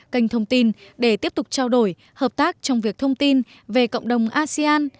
kênh thông tin để tiếp tục trao đổi hợp tác trong việc thông tin về cộng đồng asean